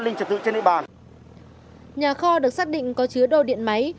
nhà kho được xác định có chứa đồ điện máy